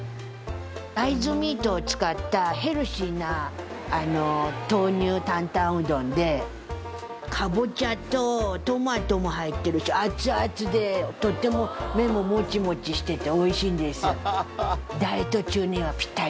大豆ミートを使ったヘルシーな豆乳坦々うどんでカボチャとトマトも入ってるし熱々でとっても麺もモチモチしてて美味しいんです。